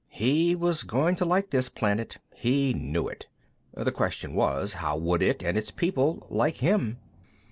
He was going to like this planet; he knew it. The question was, how would it, and its people, like him?